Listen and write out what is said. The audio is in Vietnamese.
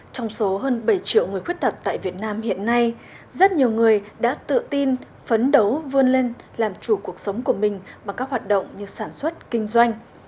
trong số hơn bảy triệu người khuyết tật tại việt nam hiện nay rất nhiều người đã tự tin phấn đấu vươn lên làm chủ cuộc sống của mình bằng các hoạt động như sản xuất kinh doanh